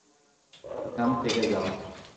এখান থেকে যাও।